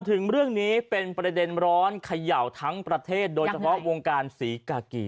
ถึงเรื่องนี้เป็นประเด็นร้อนเขย่าทั้งประเทศโดยเฉพาะวงการศรีกากี